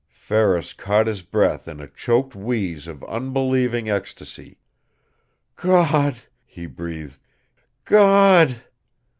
Ferris caught his breath in a choked wheeze of unbelieving ecstasy. "Gawd!" he breathed. "GAWD!"